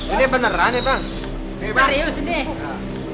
ini beneran ya bang